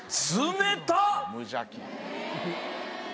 無邪気。